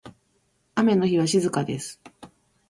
雨の日は静かです。